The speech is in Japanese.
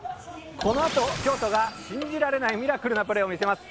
このあと京都が信じられないミラクルなプレーを見せます。